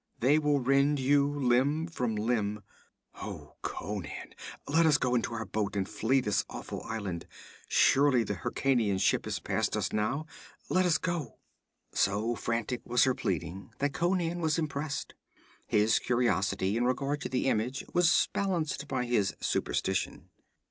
They will rend you limb from limb! Oh, Conan, let us go into our boat and flee this awful island! Surely the Hyrkanian ship has passed us now! Let us go!' So frantic was her pleading that Conan was impressed. His curiosity in regard to the images was balanced by his superstition.